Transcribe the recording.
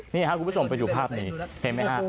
นี่นะคะคุณผู้ชมไปชุดภาพนี้เห็นไหม